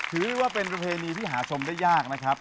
ถือว่าเป็นประเพณีที่หาชมได้ยากนะครับ